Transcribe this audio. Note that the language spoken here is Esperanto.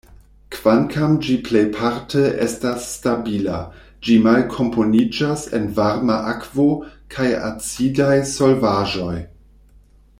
Kvankam ĝi plejparte estas stabila, ĝi malkomponiĝas en varma akvo kaj acidaj solvaĵoj.